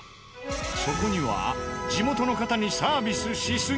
そこには地元の方にサービスしすぎ！？